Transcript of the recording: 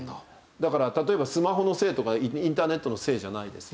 だから例えばスマホのせいとかインターネットのせいじゃないです。